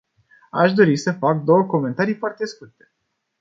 Aș dori să fac două comentarii foarte scurte.